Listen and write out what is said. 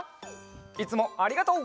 いつもありがとう！